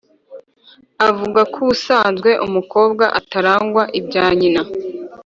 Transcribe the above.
avuga ko ubusanzwe umukobwa ataragwa ibya nyina.